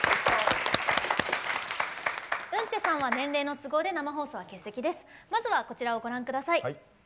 ウンチェさんは年齢の都合で生放送は欠席です。